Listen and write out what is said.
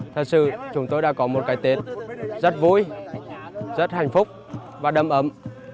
thật sự chúng tôi đã có một cái tết rất vui rất hạnh phúc và đầm ấm